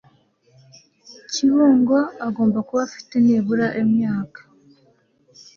kibungo agomba kuba afite nibura imyaka